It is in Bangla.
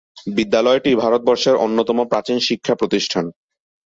বিদ্যালয়টি ভারতবর্ষের অন্যতম প্রাচীন শিক্ষা প্রতিষ্ঠান।